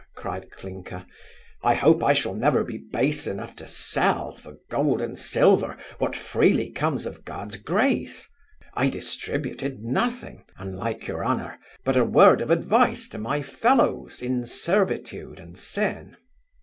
(cried Clinker) I hope I shall never be base enough to sell for gold and silver, what freely comes of God's grace. I distributed nothing, an like your honour, but a word of advice to my fellows in servitude and sin.